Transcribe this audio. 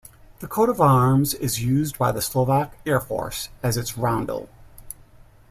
The coat of arms is used by the Slovak Air Force as its roundel.